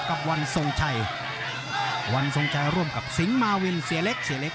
กับวันทรงชัยวันทรงชัยร่วมกับสิงหมาวินเสียเล็กเสียเล็ก